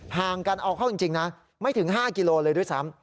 ห่างกันเอาเข้าจริงนะไม่ถึง๕กิโลเลยด้วยซ้ำ